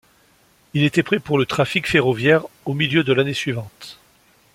Il était prêt pour le trafic ferroviaire au milieu de l'année suivante.